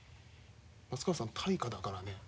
夏川さん大家だからね